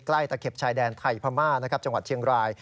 ตะเข็บชายแดนไทยพม่านะครับจังหวัดเชียงราย